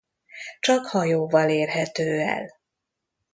Csak hajóval érhető el.